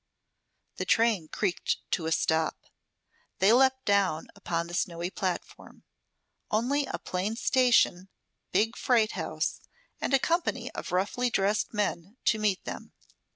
The train creaked to a stop. They leaped down upon the snowy platform. Only a plain station, big freight house, and a company of roughly dressed men to meet them.